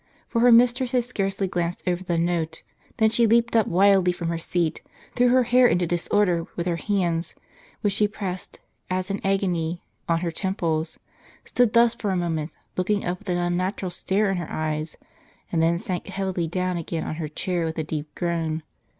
For her mistress had scarcely glanced over the note, than she leaped up wildly from her seat, threw her hair into disorder with her hands, which she pressed, as in agony, on her temples, stood thus for a moment, looking up with an unnatural stare in her eyes, and then sank heavily down again on her chair with a deep groan.